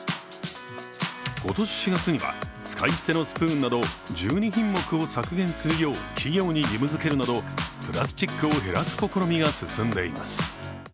今年４月には、使い捨てのスプーンなど１２品目を削減するよう企業に義務づけるなどプラスチックを減らす試みが進んでいます。